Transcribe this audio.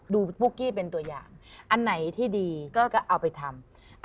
ปุ๊กกี้เป็นตัวอย่างอันไหนที่ดีก็เอาไปทำ